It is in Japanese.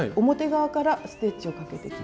表からステッチをかける。